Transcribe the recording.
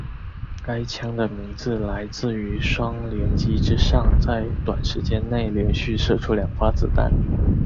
该枪的名字来自于双连击之上在短时间内连续射出两发子弹。